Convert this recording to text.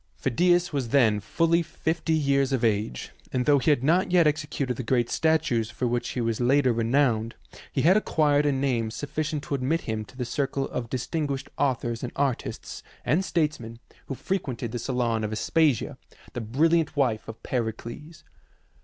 Phidias was then fully fifty years of age, and though he had not yet exe cuted the great statues for which he was later re nowned, he had acquired a name sufficient to admit him to the circle of distinguished authors and artists and statesmen who frequented the salon of Aspasia, the brilliant wife of Pericles.